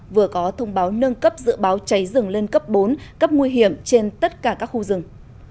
vừa có thông báo nâng cấp dự báo cháy rừng lên cấp bốn cấp nguy hiểm trên tất cả các khu rừng